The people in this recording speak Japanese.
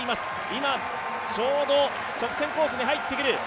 今、ちょうど、直線コースに入ってくる。